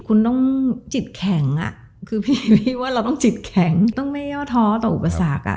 คุณต้องจิตแข็งคือพี่ว่าเราต้องจิตแข็งต้องไม่ย่อท้อต่ออุปสรรค